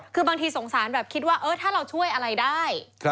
คือบางทีสงสารแบบคิดว่าถ้าเราช่วยอะไรได้